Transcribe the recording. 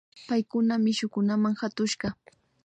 Paykuna mishukunama katushka